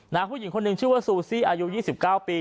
ผู้หญิงคนหนึ่งชื่อว่าซูซี่อายุ๒๙ปี